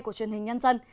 của truyền hình nhân dân